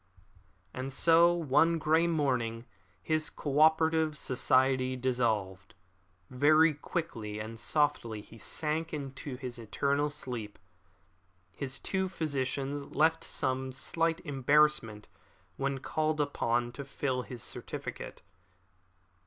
And so one grey morning his co operative society dissolved. Very quietly and softly he sank into his eternal sleep. His two physicians felt some slight embarrassment when called upon to fill in his certificate.